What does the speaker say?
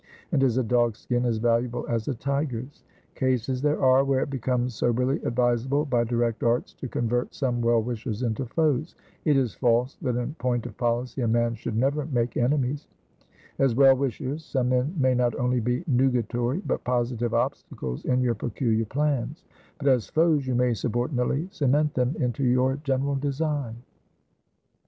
and is a dog's skin as valuable as a tiger's? Cases there are where it becomes soberly advisable, by direct arts to convert some well wishers into foes. It is false that in point of policy a man should never make enemies. As well wishers some men may not only be nugatory but positive obstacles in your peculiar plans; but as foes you may subordinately cement them into your general design.